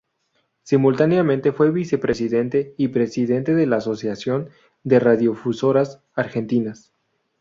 Simultáneamente fue vicepresidente y presidente de la Asociación de Radiodifusoras Argentinas.